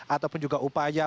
ataupun juga upaya